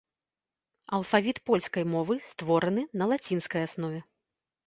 Алфавіт польскай мовы створаны на лацінскай аснове.